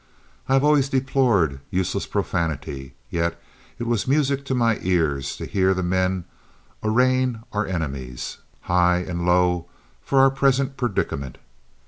I have always deplored useless profanity, yet it was music to my ears to hear the men arraign our enemies, high and low, for our present predicament.